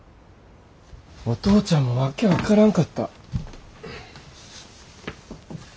お父ちゃんも訳分からんかった。